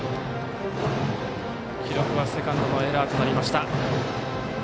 記録はセカンドのエラーとなりました。